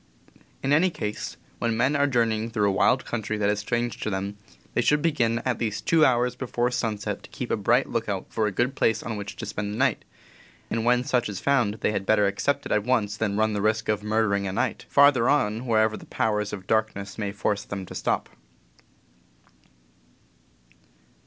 In any case, when men are journeying through a wild country that is strange to them, they should begin at least two hours before sunset to keep a bright lookout for a good place on which to spend the night, and when such is found they had better accept it at once than run the risk of "murdering a night" farther on, wherever the powers of darkness may force them to stop.